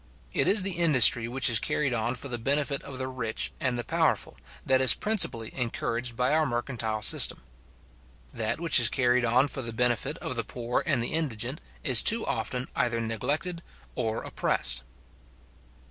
It is the industry which is carried on for the benefit of the rich and the powerful, that is principally encouraged by our mercantile system. That which is carried on for the benefit of the poor and the indigent is too often either neglected or oppressed.